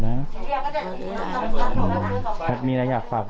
ผมสักทีแล้วอยากฝากบอก